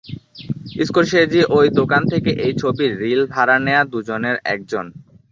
Scorsese ঐ দোকান থেকে এই ছবির রিল ভাড়া নেওয়া দু'জনে একজন।